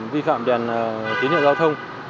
vi phạm đèn kín hiệu giao thông